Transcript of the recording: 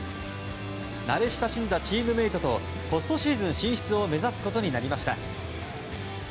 慣れ親しんだチームメートとポストシーズン進出を目指すことになりました。